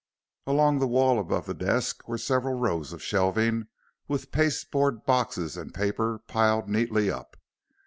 Along the wall above the desk were several rows of shelving with paste board boxes and paper piled neatly up.